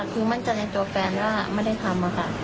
คือมั่นใจในตัวแฟนว่าไม่ได้ทำค่ะ